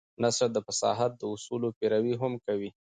نثر د فصاحت د اصولو پيروي هم کوي.